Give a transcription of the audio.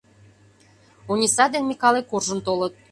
Ониса ден Микале куржын толыт.